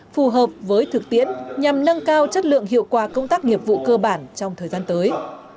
phù hợp với thực tiễn nhằm nâng cao chất lượng hiệu quả công tác nghiệp vụ cơ bản trong thời gian tới